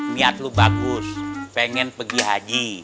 niat lu bagus pengen pergi haji